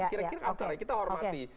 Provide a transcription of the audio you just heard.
kira kira antaranya kita hormati